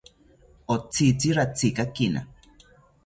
Otzitzi ratzikakina